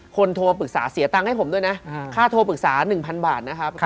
โทรปรึกษาเสียตังค์ให้ผมด้วยนะค่าโทรปรึกษา๑๐๐บาทนะครับ